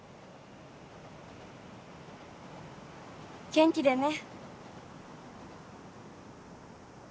元気でね。